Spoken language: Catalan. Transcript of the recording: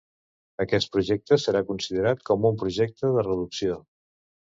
Aquest projecte serà considerat com un projecte de reducció.